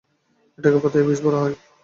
এটাকে Pattaya beach বলা হয়।